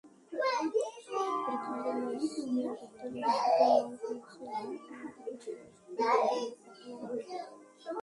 পরীক্ষা করে নিরাপত্তা নিশ্চিত হওয়ার পরই সিলিন্ডারে গ্যাস ভরে বাজারে পাঠানো হবে।